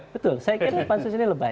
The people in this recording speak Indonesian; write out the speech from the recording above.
betul saya kira pansus ini lebat